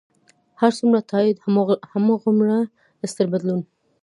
هر څومره تایید، هغومره ستر بدلون.